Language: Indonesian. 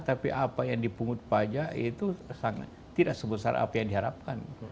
tapi apa yang dipungut pajak itu tidak sebesar apa yang diharapkan